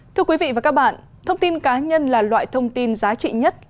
thưa quý vị và các bạn thông tin cá nhân là loại thông tin giá trị nhất